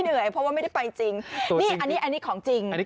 เหนื่อยเพราะว่าไม่ได้ไปจริงนี่อันนี้อันนี้ของจริงอันนี้